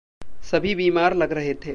सभी बीमार लग रहे थे।